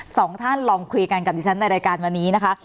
สองท่านลองคุยกันกับดิฉันในรายการวันนี้นะคะ